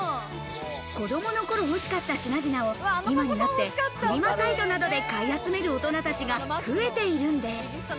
子供のころ欲しかった品々を、今になってフリマサイトなどで買い集める大人たちが増えているんです。